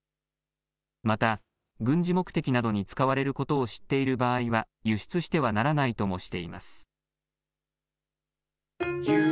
また、軍事目的などに使われることを知っている場合は、輸出してはならないともしています。